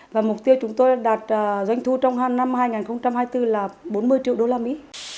và mục tiêu chúng tôi đạt doanh thu trong năm hai nghìn hai mươi bốn là bốn mươi triệu đô la mỹ